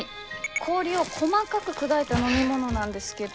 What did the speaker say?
氷を細かく砕いた飲み物なんですけど。